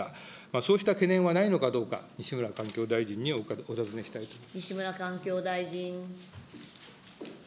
そうした懸念はないのかどうか、西村環境大臣にお尋ねしたいと思います。